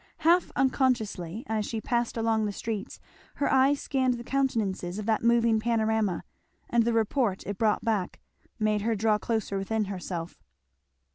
Half unconsciously as she passed along the streets her eye scanned the countenances of that moving panorama; and the report it brought back made her draw closer within herself.